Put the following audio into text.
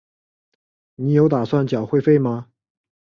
你有打算缴会费吗？